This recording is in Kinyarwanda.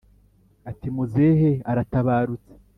ati"muzehe aratabarutse"